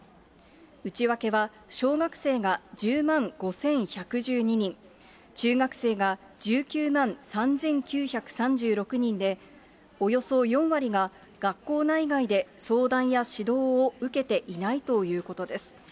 内訳は小学生が１０万５１１２人、中学生が１９万３９３６人で、およそ４割が学校内外で相談や指導を受けていないということです。